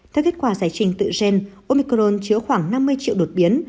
theo kết quả giải trình tự gen omicron chứa khoảng năm mươi triệu đột biến